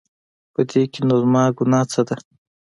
په دې کې نو زما ګناه څه ده؟